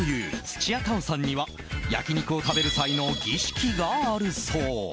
土屋太鳳さんには焼き肉を食べる際の儀式があるそう］